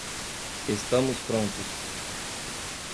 Estamos prontos